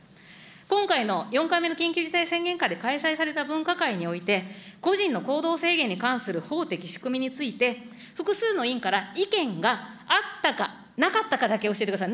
今回の、４回目の緊急事態宣言下で開催された分科会において、個人の行動制限に関する法的仕組みについて、複数の委員から意見があったか、なかったかだけ教えてください。